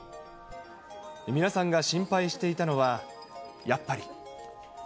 皆さんが心配していたのはやっぱり。